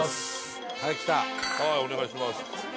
はいお願いします